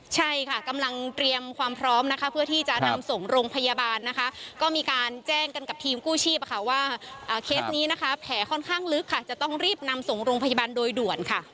ใช่ค่ะกำลังเตรียมความพร้อมนะคะเพื่อที่จะนำส่งโรงพยาบาลนะคะก็มีการแจ้งกันกับทีมกู้ชีพว่าเคสนี้นะคะแผลค่อนข้างลึกค่ะจะต้องรีบนำส่งโรงพยาบาลโดยด่วนค่ะ